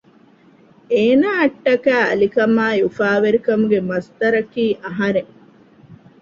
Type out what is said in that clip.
އޭނާއަށްޓަކައި އަލިކަމާއި އުފާވެރިކަމުގެ މަޞްދަރަކީ އަހަރެން